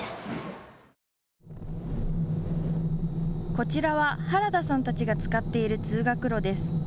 こちらは原田さんたちが使っている通学路です。